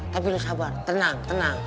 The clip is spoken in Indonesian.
tapi udah sabar tenang tenang